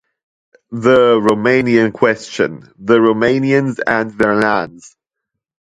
"The Roumanian Question: The Roumanians and their Lands".